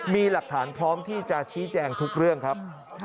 มีหลักฐานพร้อมที่จะชี้แจงทุกเรื่องครับ